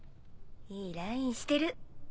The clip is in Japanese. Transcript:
いいラインしてる。